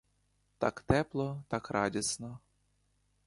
Так тепло, так радісно.